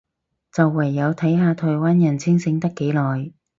就唯有睇下台灣人清醒得幾耐